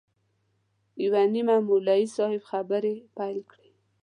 یو نیمه مولوي صاحب خبرې پیل کړې.